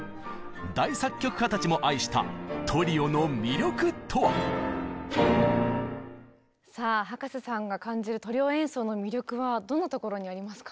大作曲家たちも愛したさあ葉加瀬さんが感じるトリオ演奏の魅力はどんなところにありますか？